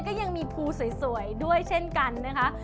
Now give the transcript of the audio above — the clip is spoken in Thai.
ก็ยังมีภูสวยด้วยเช่นกันนะคะ